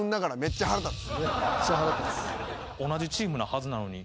同じチームなはずなのに。